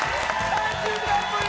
３週間ぶり。